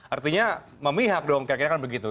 artinya memihak dong kira kira kan begitu